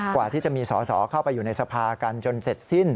กว่าที่จะมีสอสอเข้าไปอยู่ในสภากันจนเสร็จสิ้น